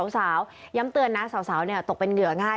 สาวย้ำเตือนนะสาวตกเป็นเหยื่อง่าย